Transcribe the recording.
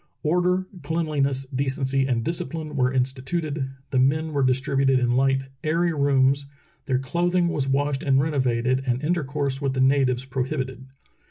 Order, cleanliness, decency, and discipline were in stituted, the men were distributed in light, airy rooms, their clothing was washed and renovated, and inter course with the natives prohibited.